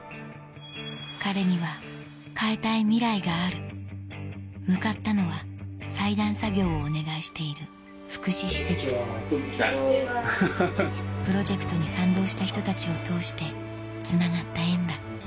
彼には変えたいミライがある向かったのは裁断作業をお願いしている福祉施設プロジェクトに賛同した人たちを通してつながった縁だ